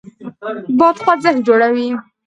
باد خوځښت جوړوي.